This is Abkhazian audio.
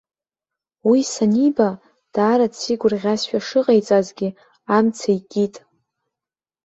Уи саниба, даара дсеигәырӷьазшәа шыҟаиҵазгьы, амца икит.